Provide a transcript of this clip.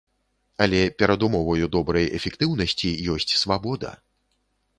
Але перадумоваю добрай эфектыўнасці ёсць свабода.